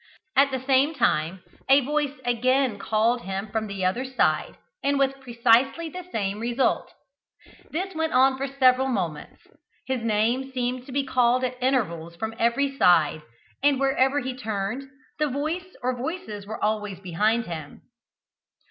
At the same time a voice again called him from the other side, and with precisely the same result. This went on for several moments. His name seemed to be called at intervals from every side, and wherever he turned, the voice or voices were always behind him.